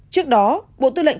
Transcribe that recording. trước đó bộ tư lệnh